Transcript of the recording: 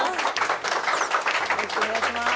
よろしくお願いします。